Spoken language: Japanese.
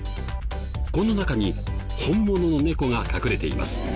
この中に本物の猫が隠れています。